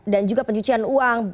dan juga pencucian uang